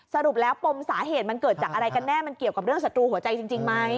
สรุปแล้วปมสาเหตุมันเกิดจากอะไรกันแน่มันเกี่ยวกับเรื่องศัตรูหัวใจจริงไหม